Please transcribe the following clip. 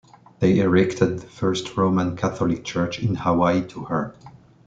They erected the first Roman Catholic church in Hawaii to her.